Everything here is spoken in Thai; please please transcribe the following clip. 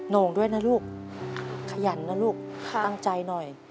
โน่งด้วยนะลูกขยันนะลูกตั้งใจหน่อย